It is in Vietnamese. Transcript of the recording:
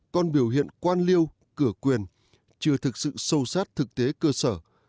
còn biểu hiện quan liêu cửa quyền chưa thực sự sâu sát thực tế cơ sở